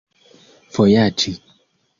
vojaĝi